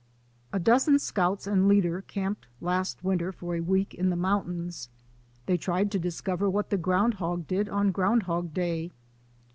A dozen scouts and leader camped last winter for a week in the mountains. They tried to dis cover what the ground hog did on Ground hog Day.